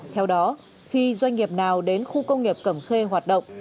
theo đó khi doanh nghiệp nào đến khu công nghiệp cẩm khê hoạt động